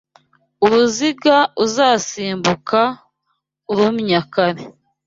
Uruziga uzasimbuka urumnya kare